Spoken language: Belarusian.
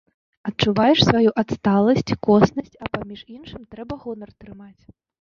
Адчуваеш сваю адсталасць, коснасць, а паміж іншым трэба гонар трымаць!